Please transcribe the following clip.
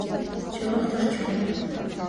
Չվող թռչուն է։